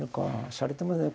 しゃれてますね。